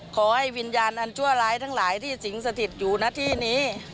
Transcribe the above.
ขอให้วิญญาณอันชั่วร้ายทั้งหลายที่สิงสถิตอยู่ณที่นี้